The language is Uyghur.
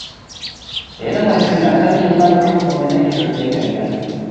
ھېلىمۇ ئېسىمدە، خېلى يىللار بۇرۇن ئۇ مېنى كۆرگىلى كەلگەن.